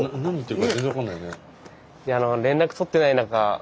いや連絡取ってない中